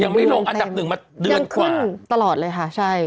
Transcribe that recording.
ไม่ลงอันดับหนึ่งมาเดือนกว่าตลอดเลยค่ะใช่